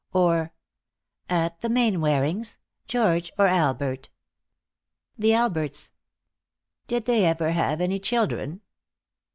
Or: "At the Mainwarings? George or Albert?" "The Alberts." "Did they ever have any children?"